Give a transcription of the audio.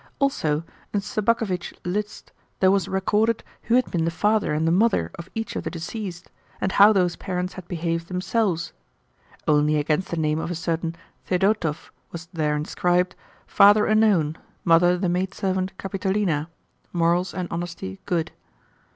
Also, in Sobakevitch's list there was recorded who had been the father and the mother of each of the deceased, and how those parents had behaved themselves. Only against the name of a certain Thedotov was there inscribed: "Father unknown, Mother the maidservant Kapitolina, Morals and Honesty good."